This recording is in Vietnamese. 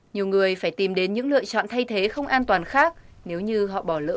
nhiều người phải tìm đến những lựa chọn thay thế không an toàn khác nếu như họ bỏ lỡ